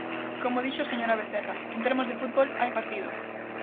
Como dixo a señora Vecerra, en termos de fútbol: hai partido.